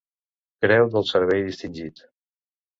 Creu del Servei Distingit.